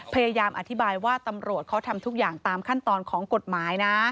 พยายามอธิบายว่าตำรวจเขาทำทุกอย่างตามขั้นตอนของกฎหมายนะ